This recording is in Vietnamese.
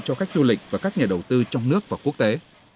cho khách du lịch và các nhà đầu tư trong nước và quốc tế